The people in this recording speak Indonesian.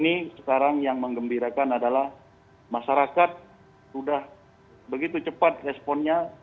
ini sekarang yang mengembirakan adalah masyarakat sudah begitu cepat responnya